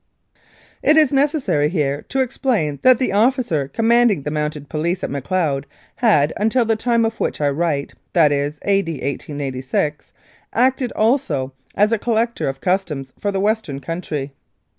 It is necessary here to explain that the officer com manding the Mounted Police at Macleod had, until the time of which I write, viz. A.D. 1886, acted also as Collector of Customs for the western country.